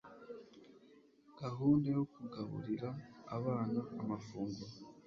Gahunda yo kugaburira abana amafunguro